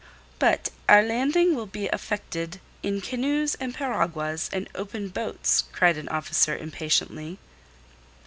"But our landing will be effected in canoes and piraguas and open boats," cried an officer impatiently.